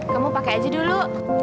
kamu pakai aja dulu